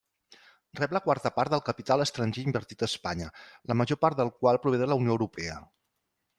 Rep la quarta part del capital estranger invertit a Espanya, la major part del qual prové de la Unió Europea.